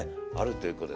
ということで。